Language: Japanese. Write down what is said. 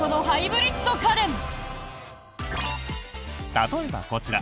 例えばこちら。